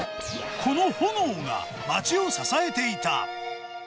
この炎が、街を支えていた。